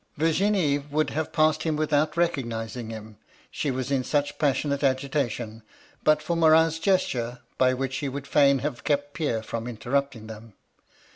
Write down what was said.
'Vlr^nie would have passed him without recognising him, she was in such passionate agitation, but for Morin's gesture, by which he would fain have kept Pierre from interrupting them.